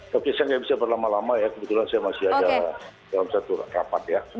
tapi saya tidak bisa berlama lama kebetulan saya masih ada dalam satu rapat